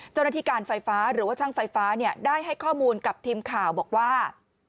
เจ้าหน้าที่การไฟฟ้าหรือว่าช่างไฟฟ้าได้ให้ข้อมูลกับทีมข่าวบอกว่า